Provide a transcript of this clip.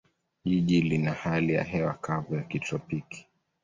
Jiji lina hali ya hewa kavu ya kitropiki.